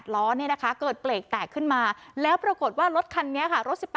ล้อเนี่ยนะคะเกิดเปรกแตกขึ้นมาแล้วปรากฏว่ารถคันนี้ค่ะรถ๑๘